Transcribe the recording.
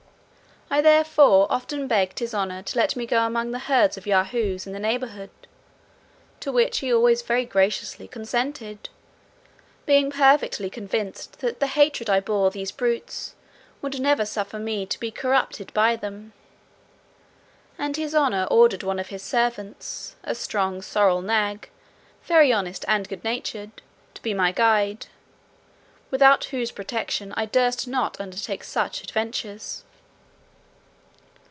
I therefore often begged his honour to let me go among the herds of Yahoos in the neighbourhood; to which he always very graciously consented, being perfectly convinced that the hatred I bore these brutes would never suffer me to be corrupted by them; and his honour ordered one of his servants, a strong sorrel nag, very honest and good natured, to be my guard; without whose protection I durst not undertake such adventures.